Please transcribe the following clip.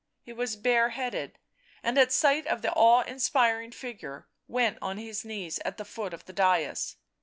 He was bare headed, and at sight of the awe inspiring figure, went on his knees at the foot of the dais.